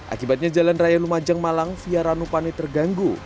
akibatnya jalan raya lumajang malang via ranupane terganggu